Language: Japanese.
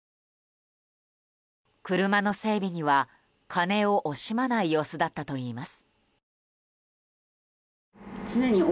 車の整備には、金を惜しまない様子だったといいます。